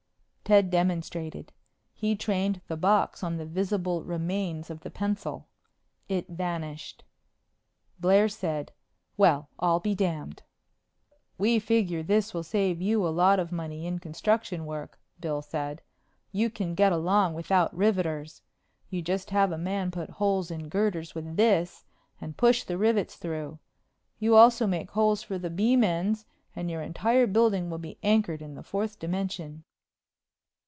Ted demonstrated. He trained the box on the visible remains of the pencil. It vanished. Blair said, "Well, I'll be damned!" "We figure this will save you a lot of money in construction work," Bill said. "You can get along without riveters. You just have a man put holes in girders with this and push the rivets through. You also make holes for the beam ends, and your entire building will be anchored in the fourth dimension."